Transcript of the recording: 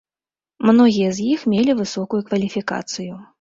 Многія з іх мелі высокую кваліфікацыю.